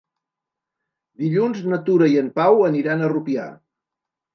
Dilluns na Tura i en Pau aniran a Rupià.